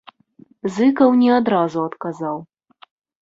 Зыкаў не адразу адказаў.